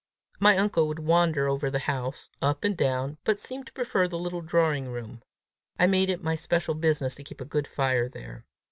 My uncle would wander over the house, up and down, but seemed to prefer the little drawing room: I made it my special business to keep a good fire there.